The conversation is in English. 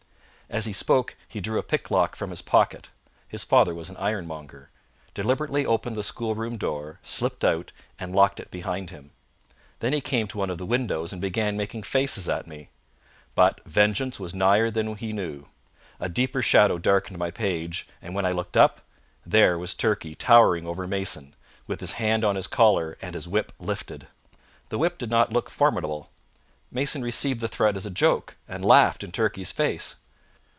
As he spoke he drew a picklock from his pocket his father was an ironmonger deliberately opened the schoolroom door, slipped out, and locked it behind him. Then he came to one of the windows, and began making faces at me. But vengeance was nigher than he knew. A deeper shadow darkened my page, and when I looked up, there was Turkey towering over Mason, with his hand on his collar, and his whip lifted. The whip did not look formidable. Mason received the threat as a joke, and laughed in Turkey's face.